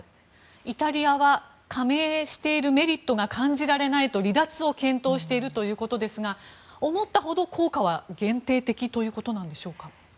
イタリアは加盟しているメリットが感じられないと、離脱を検討しているということですが思ったほど効果は限定的ということなんでしょうか。